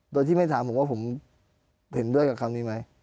โดยที่ไม่ถามผมว่าผมเห็นด้วยกับคำนี้ไหม